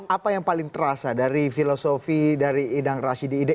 apa yang paling terasa dari filosofi dari idang rashidi